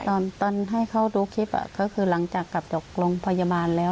ตอนตอนให้เขาดูคลิปก็คือหลังจากกลับจากโรงพยาบาลแล้ว